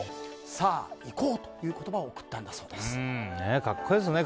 さあ行こう！という言葉を格好いいですね